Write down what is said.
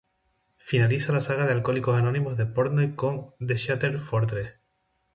Finaliza la saga de Alcohólicos Anónimos de Portnoy con The Shattered Fortress.